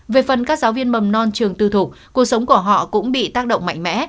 về phần các giáo viên mầm non trường tư thục cuộc sống của họ cũng bị tác động mạnh mẽ